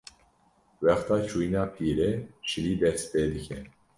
wexta çûyîna pîrê, şilî dest pê dike